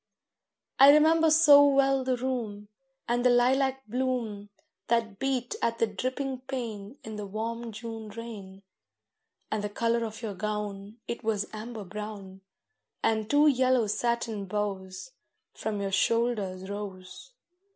I remember so well the room, And the lilac bloom That beat at the dripping pane In the warm June rain; And the colour of your gown, It was amber brown, And two yellow satin bows From your shoulders rose.